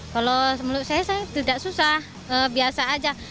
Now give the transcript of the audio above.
kalau menurut saya tidak susah biasa saja